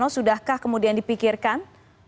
sudahkah kemudian dipikirkan